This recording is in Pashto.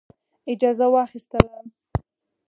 اجازه واخیستله.